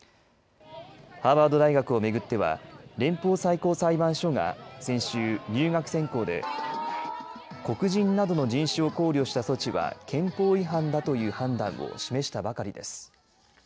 ハーバード大学を巡っては連邦最高裁判所が先週入学選考で黒人などの人種を考慮した措置は憲法違反だという判断を示したばかりです。